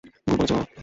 ভুল বলেছে ও।